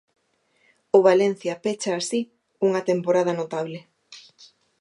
O Valencia pecha así unha temporada notable.